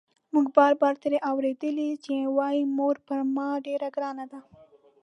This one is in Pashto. موږ بار بار ترې اورېدلي چې وايي مور پر ما ډېره ګرانه ده.